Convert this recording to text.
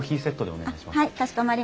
お願いします。